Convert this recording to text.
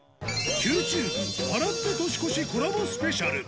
Ｑｔｕｂｅ、笑って年越しコラボスペシャル。